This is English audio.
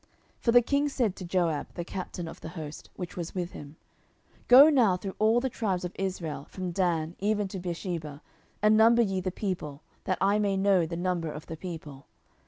10:024:002 For the king said to Joab the captain of the host, which was with him, Go now through all the tribes of Israel, from Dan even to Beersheba, and number ye the people, that I may know the number of the people.